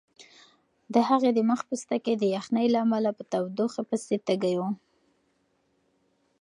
د هغې د مخ پوستکی د یخنۍ له امله په تودوخه پسې تږی و.